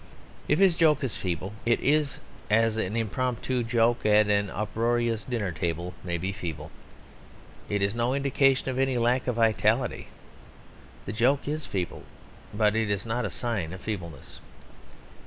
If his joke is feeble, it is as an impromptu joke at an uproarious dinner table may be feeble; it is no indication of any lack of vitality. The joke is feeble, but it is not a sign of feebleness.